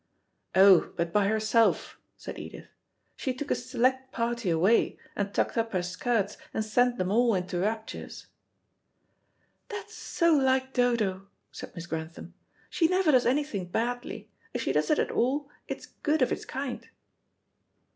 "Oh, but by herself," said Edith. "She took a select party away, and tucked up her skirts and sent them all into raptures." "That's so like Dodo," said Miss Grantham. "She never does anything badly. If she does it at all, it's good of its kind."